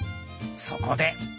そこで。